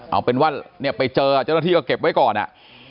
เอาเป็นว่าเนี่ยไปเจอเจ้าหน้าที่ก็เก็บไว้ก่อนอ่ะ